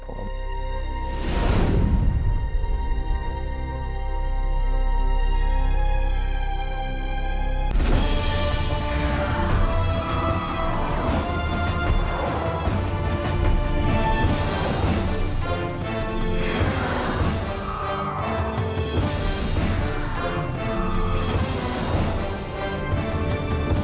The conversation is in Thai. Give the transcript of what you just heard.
โปรดติดตามตอนต่อไป